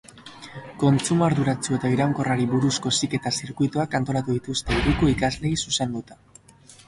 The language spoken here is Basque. Kontsumo arduratsu eta iraunkorrari buruzko heziketa zirkuituak antolatu dituzte hiriko ikasleei zuzenduta.